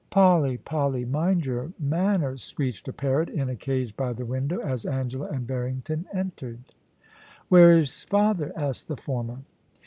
* Polly, Polly, mind your manners ? screeched a parrot in a cage by the window, as Angela and Barrington entered * Where is father ?' asked the former.